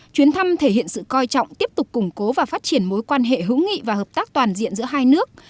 chuyến thăm thể hiện sự coi trọng tiếp tục củng cố và phát triển mối quan hệ hữu nghị và hợp tác toàn diện giữa hai nước